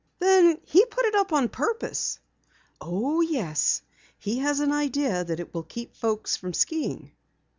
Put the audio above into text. "Then he put it up on purpose?" "Oh, yes! He has an idea it will keep folks from skiing."